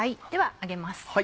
では揚げます。